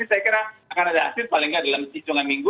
saya kira akan ada hasil paling tidak dalam hitungan minggu